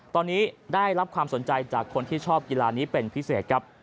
ตอนนี้ได้รับความสนใจจากคนที่ชอบกีฬานี้เป็นพิเศษครับ